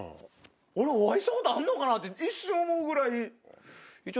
俺お会いしたことあんのかなって一瞬思うぐらい。